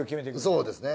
そうですね。